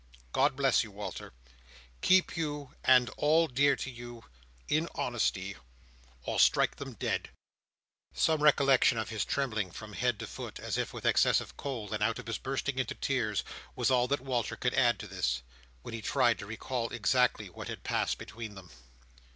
God bless you, Walter! Keep you, and all dear to you, in honesty, or strike them dead!" Some recollection of his trembling from head to foot, as if with excessive cold, and of his bursting into tears, was all that Walter could add to this, when he tried to recall exactly what had passed between them.